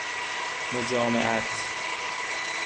مجامعت